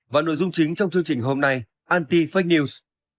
và nội dung chính trong chương trình hôm nay anti fake news